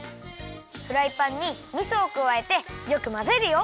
フライパンにみそをくわえてよくまぜるよ。